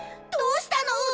どうしたの？